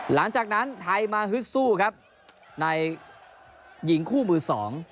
หลังจากนั้นไทยมาฮึดสู้ครับในหญิงคู่มือสอง